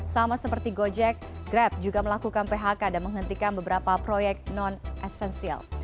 sama seperti gojek grab juga melakukan phk dan menghentikan beberapa proyek non esensial